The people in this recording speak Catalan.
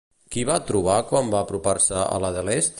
Qui va trobar quan va apropar-se a la de l'est?